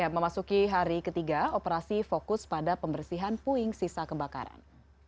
memasuki hari ketiga operasi fokus pada pembersihan puing sisa kebakaran